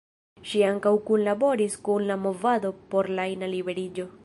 Ŝi ankaŭ kunlaboris kun la movado por la ina liberiĝo.